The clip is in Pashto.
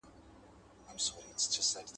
• انسان تر کاڼي کلک، تر گل نازک دئ.